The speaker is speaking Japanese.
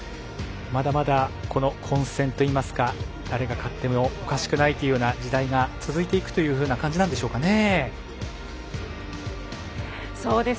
まだまだこの混戦といいますか誰が勝ってもおかしくないというような時代が続いていくというふうな時代なんですかね。